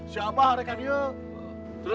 siapa rekan dia